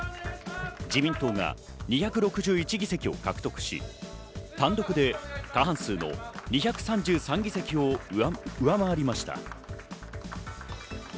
自民党が２６１議席を獲得し、単独で過半数の２３３議席を上回りました。